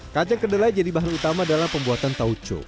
kacang kedelai jadi bahan utama dalam pembuatan tauco